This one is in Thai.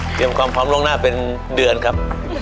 เตรียมความพร้อมลงหน้าเป็นเดือนครับ